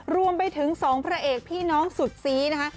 รวมไปถึง๒พระเอกพี่น้องสุดซีนะคะ